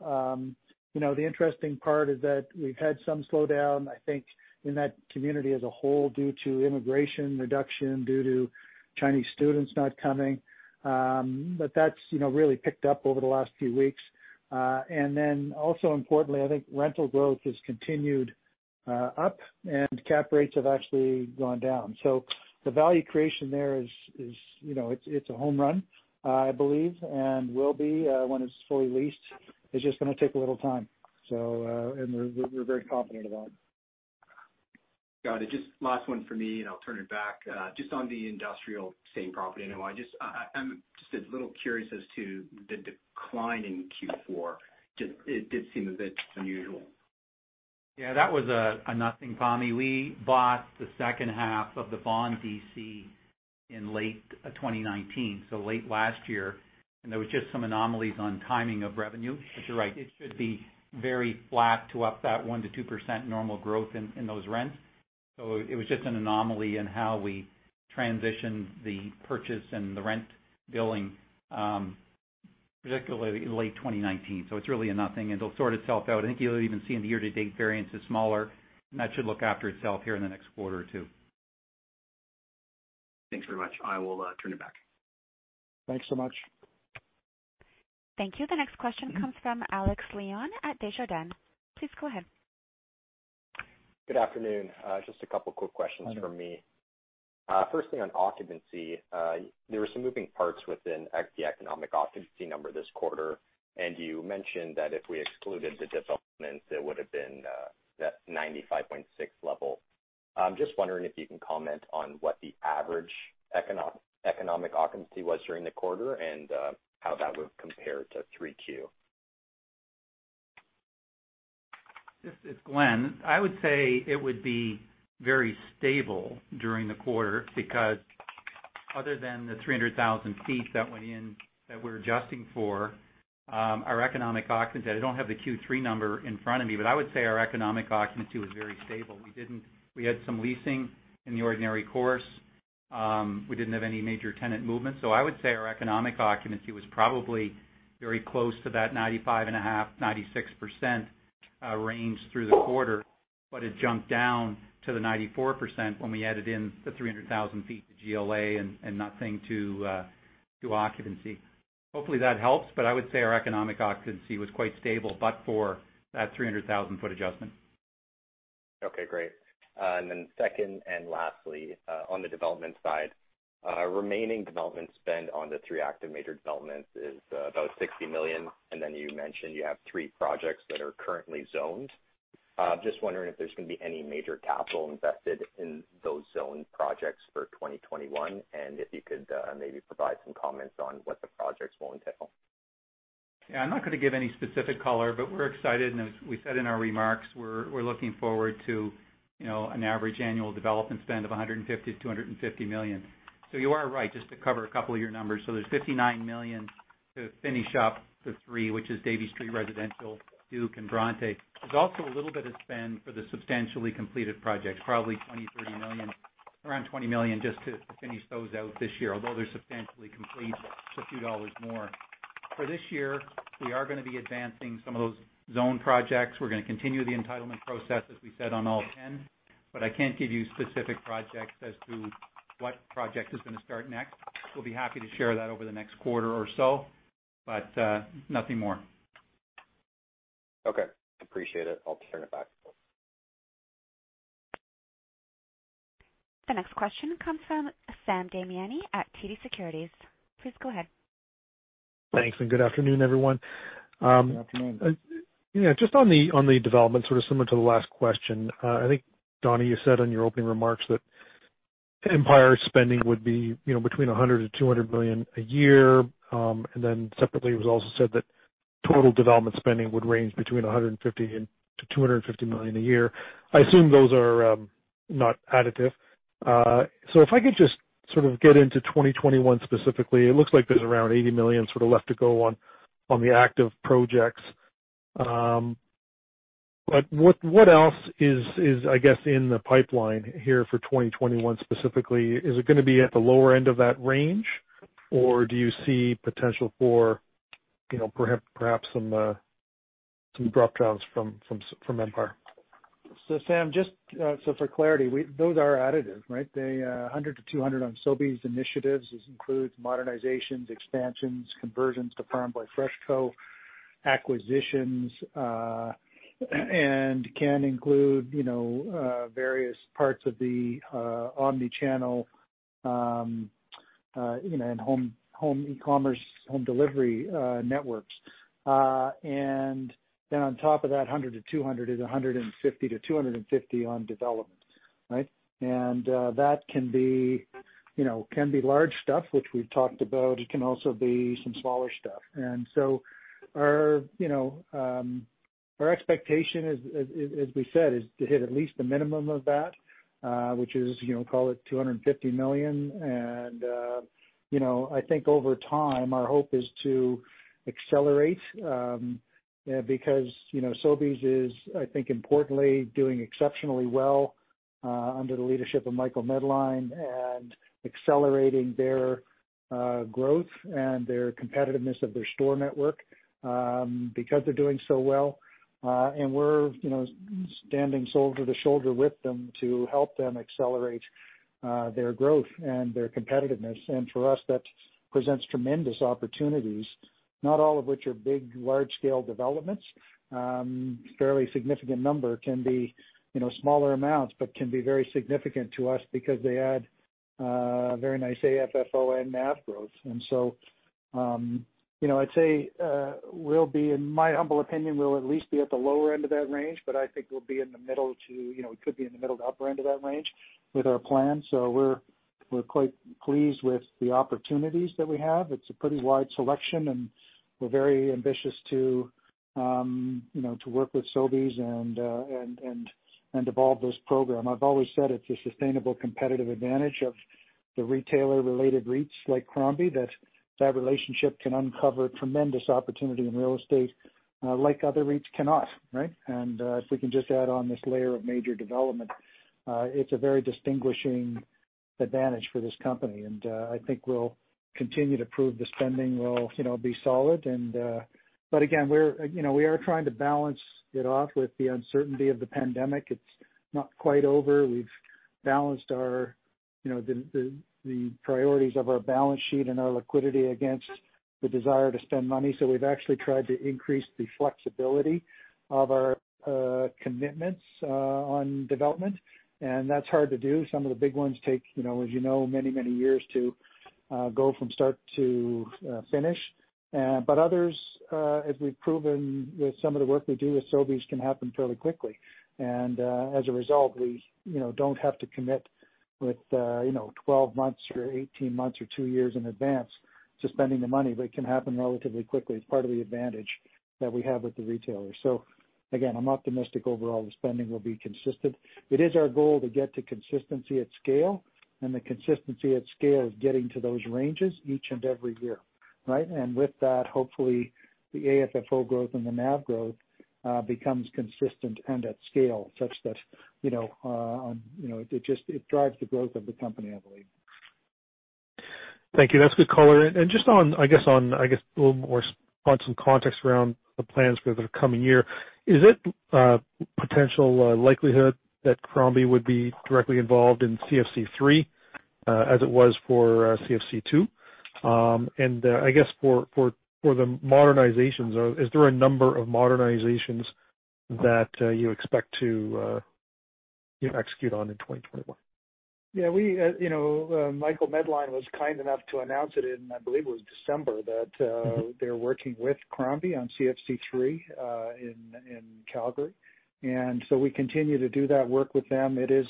The interesting part is that we've had some slowdown, I think, in that community as a whole due to immigration reduction, due to Chinese students not coming. That's really picked up over the last few weeks. Also importantly, I think rental growth has continued up and cap rates have actually gone down. The value creation there, it's a home run, I believe, and will be when it's fully leased. It's just going to take a little time. We're very confident about it.
Got it. Just last one for me, and I'll turn it back. Just on the industrial same property. I'm just a little curious as to the decline in Q4. It did seem a bit unusual.
Yeah, that was a nothing, Pammi. We bought the second half of the Vaughan DC in late 2019, so late last year, and there was just some anomalies on timing of revenue. You're right, it should be very flat to up that 1%-2% normal growth in those rents. It was just an anomaly in how we transitioned the purchase and the rent billing, particularly in late 2019. It's really a nothing, and it'll sort itself out. I think you'll even see in the year to date variance is smaller, and that should look after itself here in the next quarter or two.
Thanks very much. I will turn it back.
Thanks so much.
Thank you. The next question comes from Alex Leon at Desjardins. Please go ahead.
Good afternoon. Just a couple quick questions from me. Firstly, on occupancy. There were some moving parts within the economic occupancy number this quarter, and you mentioned that if we excluded the developments, it would've been that 95.6 level. I'm just wondering if you can comment on what the average economic occupancy was during the quarter and how that would compare to 3Q.
This is Glenn. I would say it would be very stable during the quarter because other than the 300,000 ft that went in that we're adjusting for our economic occupancy. I don't have the Q3 number in front of me, but I would say our economic occupancy was very stable. We had some leasing in the ordinary course. We didn't have any major tenant movement. I would say our economic occupancy was probably very close to that 95.5%-96% range through the quarter. It jumped down to the 94% when we added in the 300,000 ft to GLA and nothing to occupancy. Hopefully that helps, but I would say our economic occupancy was quite stable but for that 300,000 foot adjustment.
Okay, great. Second and lastly, on the development side. Remaining development spend on the three active major developments is about 60 million. You mentioned you have three projects that are currently zoned. Just wondering if there's going to be any major capital invested in those zoned projects for 2021, and if you could maybe provide some comments on what the projects will entail.
Yeah. I'm not going to give any specific color, but we're excited. As we said in our remarks, we're looking forward to an average annual development spend of 150 million to 250 million. You are right, just to cover a couple of your numbers. There's 59 million to finish up the three, which is Davie Street Residential, Le Duke, and Bronte. There's also a little bit of spend for the substantially completed projects, probably 20 million to 30 million, around 20 million just to finish those out this year, although they're substantially complete. It's a few dollars more. For this year, we are going to be advancing some of those zoned projects. We're going to continue the entitlement process, as we said, on all 10. I can't give you specific projects as to what project is going to start next. We'll be happy to share that over the next quarter or so, but nothing more.
Okay. Appreciate it. I'll turn it back.
The next question comes from Sam Damiani at TD Securities. Please go ahead.
Thanks, and good afternoon, everyone.
Good afternoon.
Just on the development, sort of similar to the last question. I think, Donnie, you said in your opening remarks that Empire spending would be between 100 million and 200 million a year. Separately, it was also said that total development spending would range between 150 million and 250 million a year. I assume those are not additive. If I could just sort of get into 2021 specifically. It looks like there's around 80 million sort of left to go on the active projects. What else is in the pipeline here for 2021 specifically? Is it going to be at the lower end of that range, or do you see potential for perhaps some drop-downs from Empire?
Sam, just for clarity, those are additive, right? The 100 million-200 million on Sobeys initiatives includes modernizations, expansions, conversions to Farm Boy, FreshCo, acquisitions, and can include various parts of the omni-channel and home e-commerce, home delivery networks. On top of that 100 million-200 million is 150 million-250 million on development, right? That can be large stuff, which we've talked about. It can also be some smaller stuff. Our expectation as we said, is to hit at least the minimum of that, which is call it 250 million. I think over time, our hope is to accelerate because Sobeys is, I think, importantly doing exceptionally well under the leadership of Michael Medline and accelerating their growth and their competitiveness of their store network because they're doing so well. We're standing shoulder to shoulder with them to help them accelerate their growth and their competitiveness. For us, that presents tremendous opportunities, not all of which are big, large-scale developments. A fairly significant number can be smaller amounts, but can be very significant to us because they add very nice AFFO and NAV growth. I'd say, in my humble opinion, we'll at least be at the lower end of that range, but I think we could be in the middle to upper end of that range with our plan. We're quite pleased with the opportunities that we have. It's a pretty wide selection, and we're very ambitious to work with Sobeys and evolve this program. I've always said it's a sustainable competitive advantage of the retailer-related REITs like Crombie, that that relationship can uncover tremendous opportunity in real estate like other REITs cannot, right? If we can just add on this layer of major development, it's a very distinguishing advantage for this company. I think we'll continue to prove the spending will be solid. Again, we are trying to balance it off with the uncertainty of the pandemic. It's not quite over. We've balanced the priorities of our balance sheet and our liquidity against the desire to spend money. We've actually tried to increase the flexibility of our commitments on development, and that's hard to do. Some of the big ones take as you know, many years to go from start to finish. Others, as we've proven with some of the work we do with Sobeys, can happen fairly quickly. As a result, we don't have to commit with 12 months or 18 months or two years in advance to spending the money, but it can happen relatively quickly. It's part of the advantage that we have with the retailer. Again, I'm optimistic overall the spending will be consistent. It is our goal to get to consistency at scale, and the consistency at scale is getting to those ranges each and every year, right? With that, hopefully the AFFO growth and the NAV growth becomes consistent and at scale such that it drives the growth of the company, I believe.
Thank you. That's good color. Just I guess a little more on some context around the plans for the coming year. Is it a potential likelihood that Crombie would be directly involved in CFC3 as it was for CFC2? I guess for the modernizations, is there a number of modernizations that you expect to execute on in 2021?
Yeah. Michael Medline was kind enough to announce it in, I believe it was December, that they're working with Crombie on CFC3 in Calgary. We continue to do that work with them. It is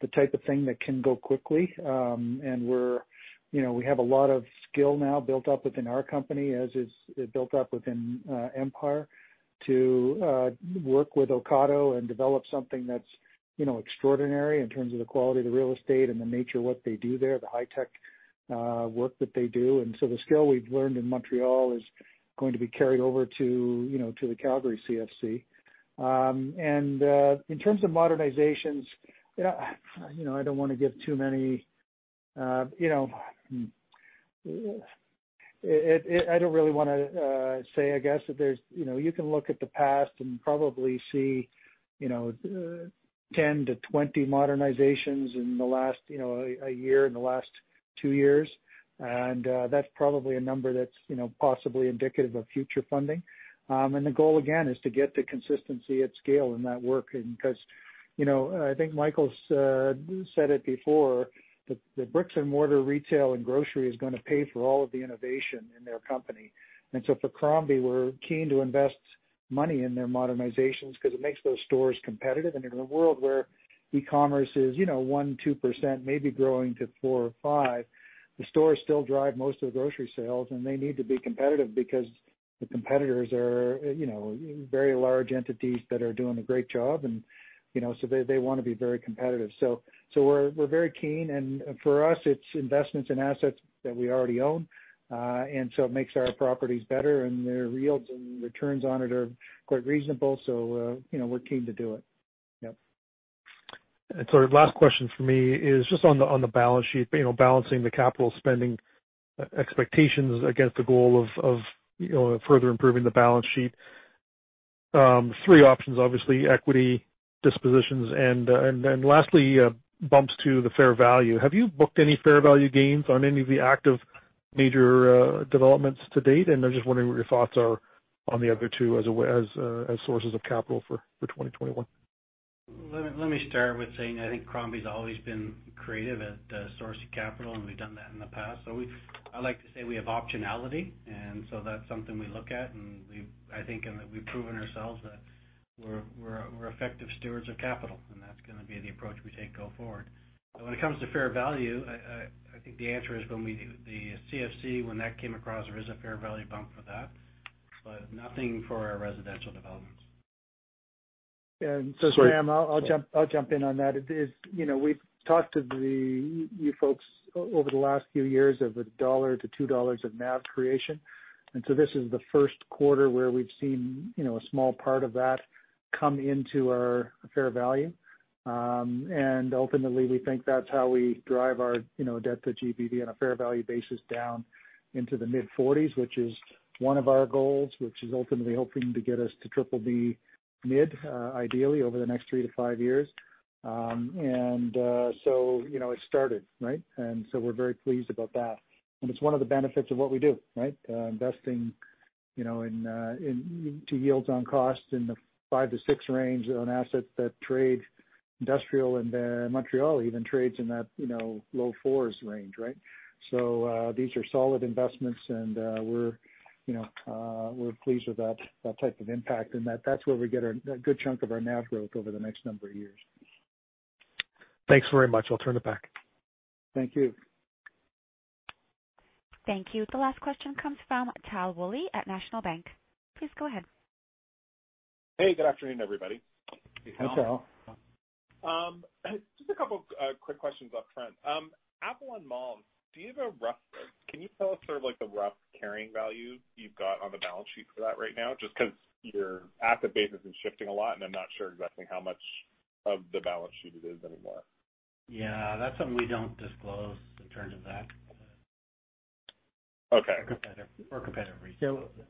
the type of thing that can go quickly. We have a lot of skill now built up within our company, as is built up within Empire, to work with Ocado and develop something that's extraordinary in terms of the quality of the real estate and the nature of what they do there, the high-tech work that they do. The skill we've learned in Montreal is going to be carried over to the Calgary CFC. In terms of modernizations, I don't really want to say, I guess. You can look at the past and probably see 10 to 20 modernizations in the last year, in the last two years. That's probably a number that's possibly indicative of future funding. The goal, again, is to get the consistency at scale in that work because I think Michael's said it before, that the bricks and mortar retail and grocery is going to pay for all of the innovation in their company. For Crombie, we're keen to invest money in their modernizations because it makes those stores competitive. In a world where e-commerce is 1%, 2%, maybe growing to 4% or 5%, the stores still drive most of the grocery sales, and they need to be competitive because the competitors are very large entities that are doing a great job. They want to be very competitive. We're very keen, and for us, it's investments in assets that we already own. It makes our properties better, and their yields and returns on it are quite reasonable. We're keen to do it. Yep.
Last question from me is just on the balance sheet. Balancing the capital spending expectations against the goal of further improving the balance sheet. Three options, obviously, equity, dispositions, and then lastly, bumps to the fair value. Have you booked any fair value gains on any of the active major developments to date? I'm just wondering what your thoughts are on the other two as sources of capital for 2021.
Let me start with saying, I think Crombie's always been creative at sourcing capital, and we've done that in the past. I like to say we have optionality, and so that's something we look at, and I think we've proven ourselves that we're effective stewards of capital, and that's going to be the approach we take going forward. When it comes to fair value, I think the answer is when the CFC, when that came across, there is a fair value bump for that, but nothing for our residential developments.
Sam, I'll jump in on that. We've talked to you folks over the last few years of a 1-2 dollars of NAV creation. This is the first quarter where we've seen a small part of that come into our fair value. Ultimately, we think that's how we drive our debt to GBV on a fair value basis down into the mid-40s, which is one of our goals, which is ultimately hoping to get us to BBB mid, ideally over the next three to five years. It's started, right? We're very pleased about that. It's one of the benefits of what we do, right? Investing into yields on costs in the 5%-6% range on assets that trade industrial. Montreal even trades in that low 4s range, right? These are solid investments and we're pleased with that type of impact, and that's where we get a good chunk of our NAV growth over the next number of years.
Thanks very much. I'll turn it back.
Thank you.
Thank you. The last question comes from Tal Woolley at National Bank. Please go ahead.
Hey, good afternoon, everybody.
Hey, Tal.
Just a couple quick questions up front. Avalon Mall, can you tell us sort of like the rough carrying value you've got on the balance sheet for that right now? Just because your asset base has been shifting a lot, and I'm not sure exactly how much of the balance sheet it is anymore.
Yeah, that's something we don't disclose in terms of that.
Okay.
For competitive reasons.
Yeah,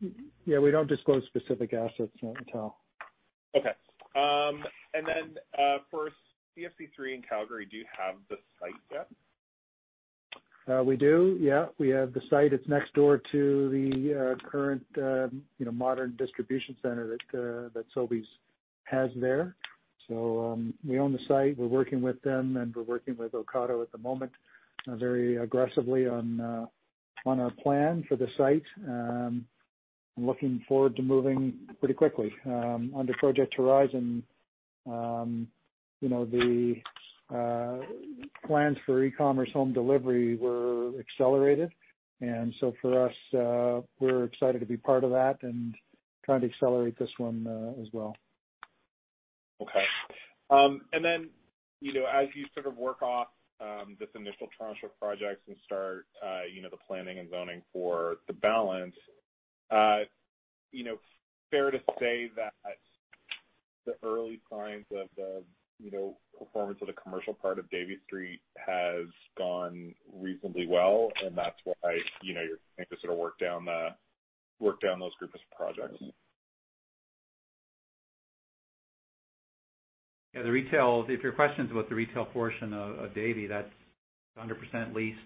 we don't disclose specific assets, Tal.
Okay. For CFC3 in Calgary, do you have the site yet?
We do, yeah. We have the site. It's next door to the current modern distribution center that Sobeys has there. We own the site. We're working with them, and we're working with Ocado at the moment very aggressively on our plan for the site. I'm looking forward to moving pretty quickly. Under Project Horizon, the plans for e-commerce home delivery were accelerated. For us, we're excited to be part of that and trying to accelerate this one as well.
Okay. As you sort of work off this initial tranche of projects and start the planning and zoning for the balance, fair to say that the early signs of the performance of the commercial part of Davie Street has gone reasonably well, and that's why you're going to sort of work down those groups of projects?
Yeah, the retail. If your question's about the retail portion of Davie, that's 100% leased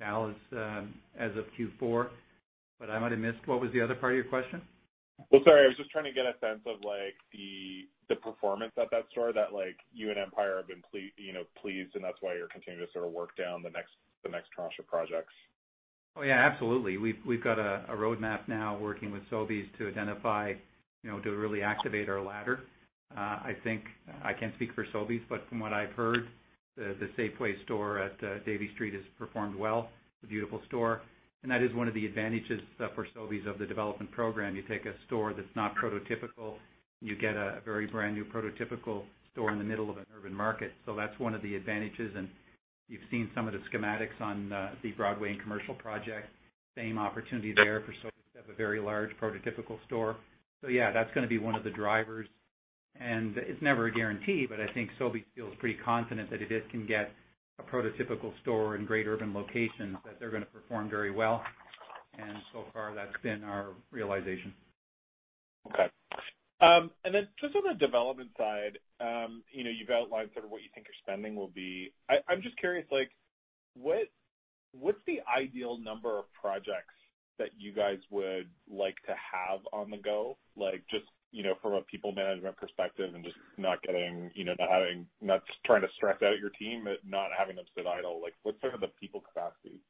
now as of Q4. I might have missed. What was the other part of your question?
Well, sorry, I was just trying to get a sense of the performance at that store that you and Empire have been pleased, and that's why you're continuing to sort of work down the next tranche of projects.
Yeah, absolutely. We've got a roadmap now working with Sobeys to identify, to really activate our ladder. I think, I can't speak for Sobeys, but from what I've heard, the Safeway store at Davie Street has performed well. It's a beautiful store. That is one of the advantages for Sobeys of the development program. You take a store that's not prototypical, and you get a very brand-new prototypical store in the middle of an urban market. That's one of the advantages, and you've seen some of the schematics on the Broadway and Commercial project. Same opportunity there for Sobeys to have a very large prototypical store. Yeah, that's going to be one of the drivers. It's never a guarantee, but I think Sobeys feels pretty confident that if it can get a prototypical store in great urban locations, that they're going to perform very well. So far, that's been our realization.
Okay. Just on the development side, you've outlined sort of what you think your spending will be. I'm just curious, what's the ideal number of projects that you guys would like to have on the go? Just from a people management perspective and just not trying to stress out your team, but not having them sit idle, what's sort of the people capacity?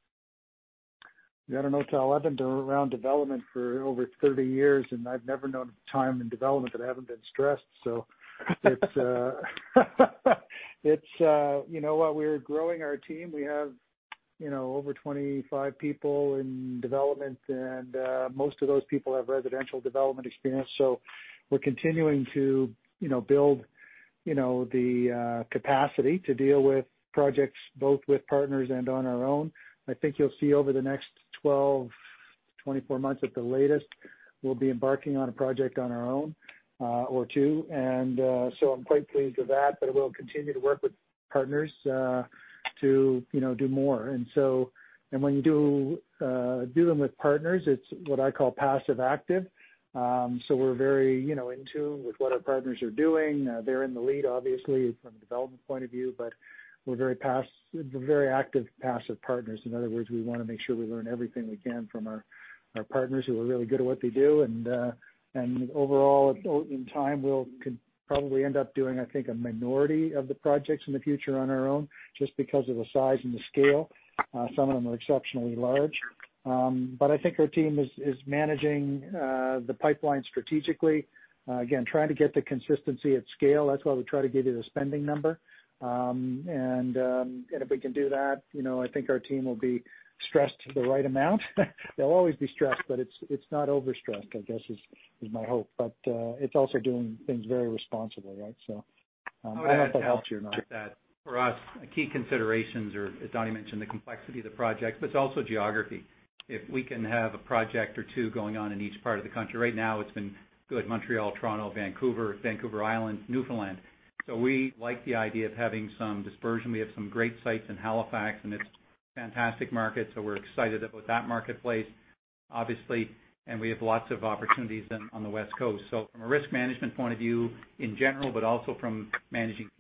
Yeah, I don't know, Tal. I've been around development for over 30 years, and I've never known a time in development that I haven't been stressed. We're growing our team. We have over 25 people in development, and most of those people have residential development experience, so we're continuing to build the capacity to deal with projects both with partners and on our own. I think you'll see over the next 12 to 24 months at the latest, we'll be embarking on a project on our own or two. I'm quite pleased with that, but we'll continue to work with partners to do more. When you do them with partners, it's what I call passive active. We're very in tune with what our partners are doing. They're in the lead, obviously, from a development point of view, but we're very active passive partners. In other words, we want to make sure we learn everything we can from our partners who are really good at what they do. Overall, in time, we could probably end up doing, I think, a minority of the projects in the future on our own just because of the size and the scale. Some of them are exceptionally large. I think our team is managing the pipeline strategically. Again, trying to get the consistency at scale. That's why we try to give you the spending number. If we can do that, I think our team will be stressed the right amount. They'll always be stressed, but it's not overstressed, I guess, is my hope. It's also doing things very responsibly, right? I don't know if that helps you or not.
For us, key considerations are, as Donnie mentioned, the complexity of the project, but it's also geography. If we can have a project or two going on in each part of the country. Right now, it's been good. Montreal, Toronto, Vancouver Island, Newfoundland. We like the idea of having some dispersion. We have some great sites in Halifax, and it's a fantastic market, so we're excited about that marketplace, obviously, and we have lots of opportunities then on the West Coast. From a risk management point of view in general, but also from managing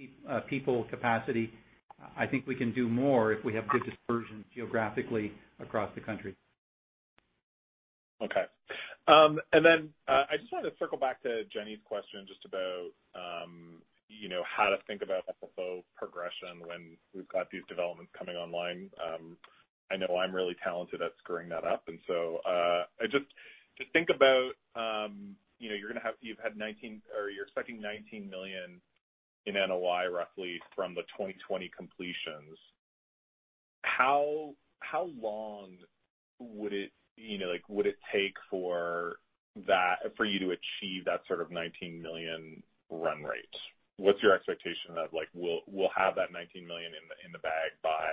people capacity, I think we can do more if we have good dispersion geographically across the country.
Okay. I just wanted to circle back to Jenny's question just about how to think about FFO progression when we've got these developments coming online. I know I'm really talented at screwing that up. Just think about you're expecting 19 million in NOI roughly from the 2020 completions. How long would it take for you to achieve that sort of 19 million run rate? What's your expectation of, we'll have that 19 million in the bag by,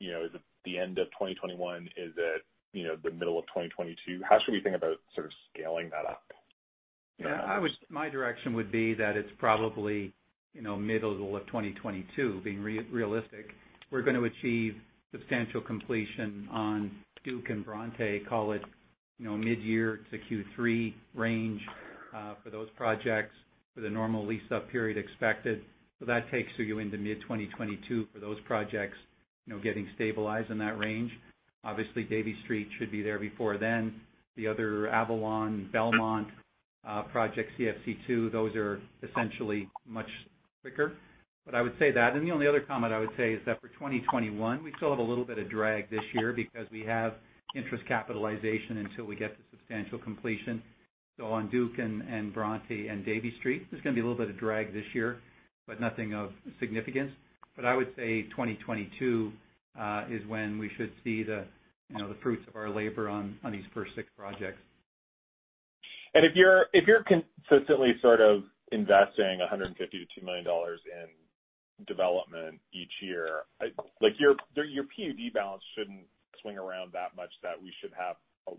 is it the end of 2021? Is it the middle of 2022? How should we think about sort of scaling that up?
My direction would be that it's probably middle of 2022, being realistic. We're going to achieve substantial completion on Le Duke and Bronte. Call it mid-year to Q3 range for those projects for the normal lease-up period expected. That takes you into mid-2022 for those projects getting stabilized in that range. Obviously, Davie Street should be there before then. The other Avalon Mall, Belmont projects, CFC2, those are essentially much quicker. I would say that. The only other comment I would say is that for 2021, we still have a little bit of drag this year because we have interest capitalization until we get the substantial completion. On Le Duke and Bronte and Davie Street, there's going to be a little bit of drag this year, but nothing of significance. I would say 2022 is when we should see the fruits of our labor on these first six projects.
If you're consistently sort of investing 150 to 2 million dollars in development each year, your PUD balance shouldn't swing around that much that we should have a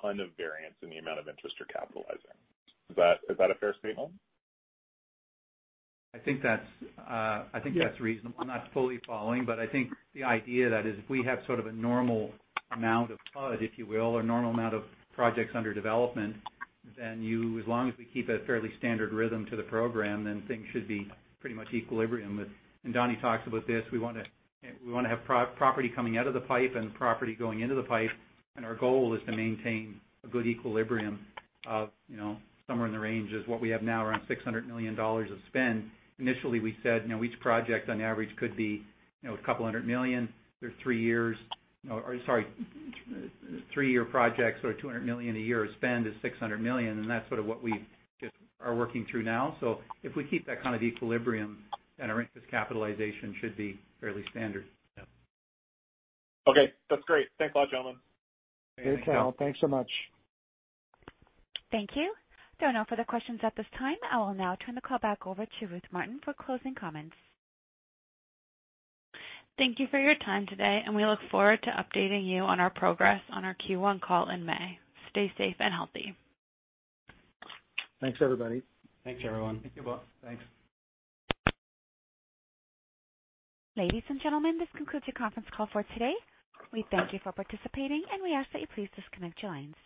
ton of variance in the amount of interest you're capitalizing. Is that a fair statement?
I think that's reasonable. I'm not fully following, but I think the idea that is if we have sort of a normal amount of PUD, if you will, or normal amount of projects under development, then as long as we keep a fairly standard rhythm to the program, then things should be pretty much equilibrium with Donnie talks about this. We want to have property coming out of the pipe and property going into the pipe. Our goal is to maintain a good equilibrium of somewhere in the range as what we have now, around 600 million dollars of spend. Initially, we said each project on average could be 200 million. They're three year projects, so 200 million a year of spend is 600 million. That's sort of what we just are working through now. If we keep that kind of equilibrium, our interest capitalization should be fairly standard.
Yeah.
Okay. That's great. Thanks a lot, gentlemen.
Okay, Tal. Thanks so much.
Thank you. There are no further questions at this time. I will now turn the call back over to Ruth Martin for closing comments.
Thank you for your time today, and we look forward to updating you on our progress on our Q1 call in May. Stay safe and healthy.
Thanks, everybody.
Thanks, everyone.
Thank you both. Thanks.
Ladies and gentlemen, this concludes your conference call for today. We thank you for participating, and we ask that you please disconnect your lines.